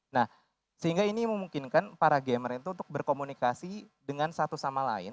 nah sehingga ini memungkinkan para gamer itu untuk berkomunikasi dengan satu sama lain